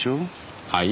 はい？